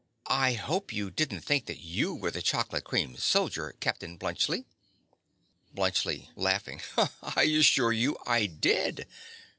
_) I hope you didn't think that you were the chocolate cream soldier, Captain Bluntschli. BLUNTSCHLI. I assure you I did.